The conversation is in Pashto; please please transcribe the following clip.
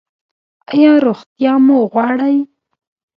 ایا روغتیا مو غواړئ؟